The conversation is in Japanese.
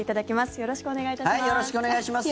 よろしくお願いします。